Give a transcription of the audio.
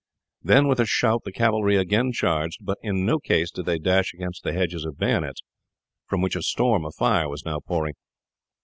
Then with a shout the cavalry again charged, but in no case did they dash against the hedges of bayonets, from which a storm of fire was now pouring.